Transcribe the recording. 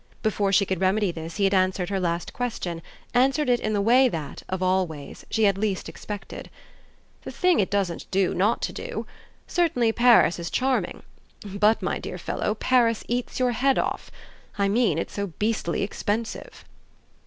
Before she could remedy this he had answered her last question, answered it in the way that, of all ways, she had least expected. "The thing it doesn't do not to do? Certainly Paris is charming. But, my dear fellow, Paris eats your head off. I mean it's so beastly expensive."